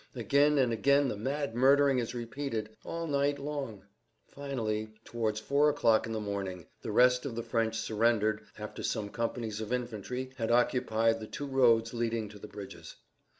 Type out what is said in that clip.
Again and again the mad murdering is repeated, all night long— Finally, towards four o'clock in the morning, the rest[Pg 42] of the French surrendered after some companies of infantry had occupied two roads leading to the bridges.